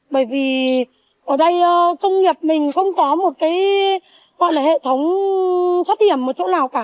bởi vì ở đây công nghiệp mình không có một cái gọi là hệ thống thoát hiểm ở chỗ nào cả